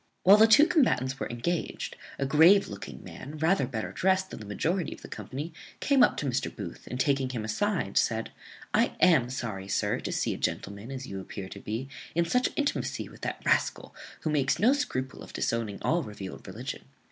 While the two combatants were engaged, a grave looking man, rather better drest than the majority of the company, came up to Mr. Booth, and, taking him aside, said, "I am sorry, sir, to see a gentleman, as you appear to be, in such intimacy with that rascal, who makes no scruple of disowning all revealed religion.